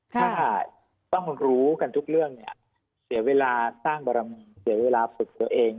ถ้าต้องรู้กันทุกเรื่องเนี่ยเสียเวลาสร้างบรมีเสียเวลาฝึกตัวเอง